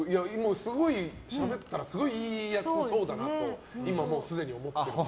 しゃべったらすごくいいやつそうだなって今、すでに思ってます。